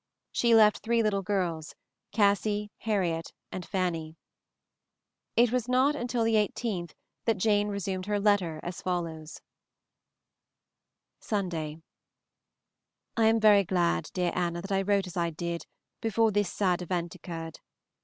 She left three little girls, Cassie, Harriet, and Fanny. It was not until the 18th that Jane resumed her letter as follows:] Sunday. I am very glad, dear Anna, that I wrote as I did before this sad event occurred.